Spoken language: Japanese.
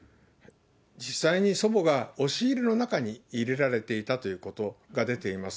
実際に祖母が押し入れの中に入れられていたということが出ています。